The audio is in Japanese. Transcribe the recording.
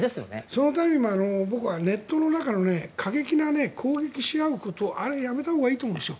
そのために僕はネットの中の過激な攻撃し合うことあれやめたほうがいいと思います。